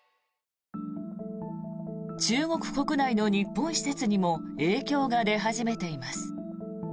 中国国内の日本施設にも影響が出始めています。